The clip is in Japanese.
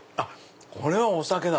これはお酒だ。